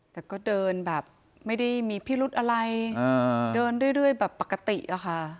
แต่ก็เดินแบบไม่ได้มีพิรุธอะไรเดินเรื่อยแบบปกติอะค่ะ